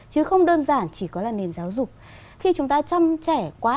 chứ không đơn giản chỉ có là nền giáo dục khi chúng ta chăm trẻ quá